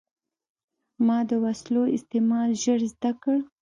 ما د وسلو استعمال ژر زده کړ.